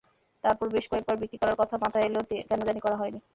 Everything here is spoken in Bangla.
তারপর বেশ কয়েকবার বিক্রি করার কথা মাথায় এলেও কেন জানি করা হয়নি।